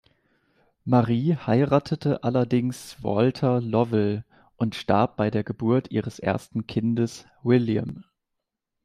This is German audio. Marie heiratete allerdings Walter Lovell und starb bei der Geburt ihres ersten Kindes William.